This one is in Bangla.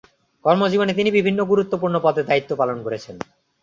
কর্মজীবনে তিনি বিভিন্ন গুরুত্বপূর্ণ পদে দায়িত্ব পালন করেছেন।